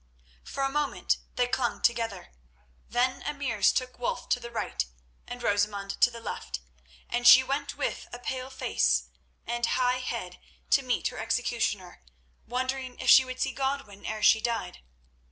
For a moment they clung together, then emirs took Wulf to the right and Rosamund to the left, and she went with a pale face and high head to meet her executioner, wondering if she would see Godwin ere she died.